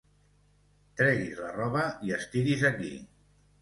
Tregui's la roba i estiri's aquí.